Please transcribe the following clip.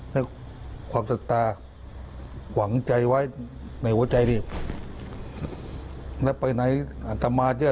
และความศรัทธาหวังใจไว้ในหัวใจนี่แล้วไปไหนอัตมาจะ